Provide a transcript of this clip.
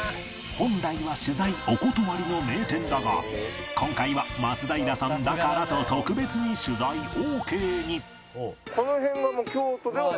本来は取材お断りの名店だが今回は松平さんだからと特別に取材オーケーに